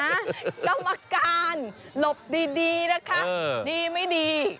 กรรมการหลบดีนะคะดีไม่ดี